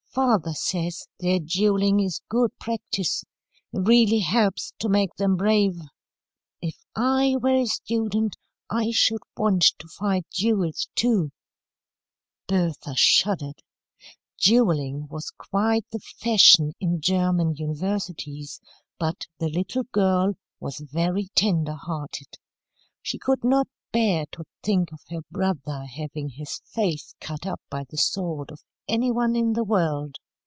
Father says their duelling is good practice. It really helps to make them brave. If I were a student, I should want to fight duels, too." Bertha shuddered. Duelling was quite the fashion in German universities, but the little girl was very tender hearted. She could not bear to think of her brother having his face cut up by the sword of any one in the world.